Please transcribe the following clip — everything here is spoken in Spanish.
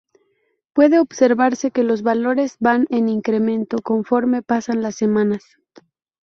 Puede observarse que los valores van en incremento conforme pasan las semanas.